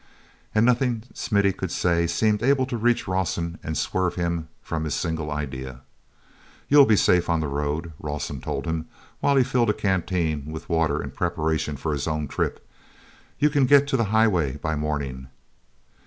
And nothing Smithy could say seemed able to reach Rawson and swerve him from his single idea. "You'll be safe on the road," Rawson told him, while he filled a canteen with water in preparation for his own trip. "You can get to the highway by morning."